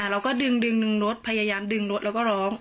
เราก็ดึงรถพยายามดึงรถแล้วก็ร้อง